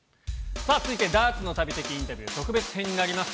さあ、続いてダーツの旅的インタビュー特別編になります。